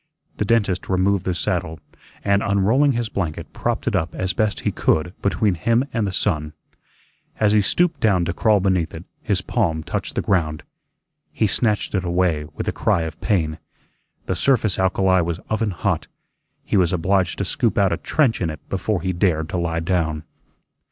The dentist removed the saddle, and unrolling his blanket, propped it up as best he could between him and the sun. As he stooped down to crawl beneath it, his palm touched the ground. He snatched it away with a cry of pain. The surface alkali was oven hot; he was obliged to scoop out a trench in it before he dared to lie down.